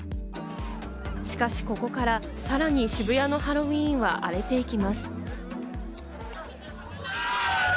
しかしここから、さらに渋谷のハロウィーンは荒れていきます。